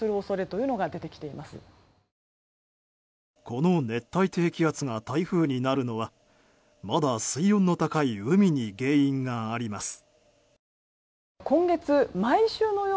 この熱帯低気圧が台風になるのはまだ水温の高い海に原因があります。